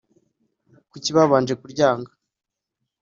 kuki babanje kuryanga